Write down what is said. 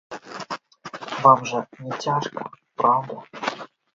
Вам жа не цяжка, праўда?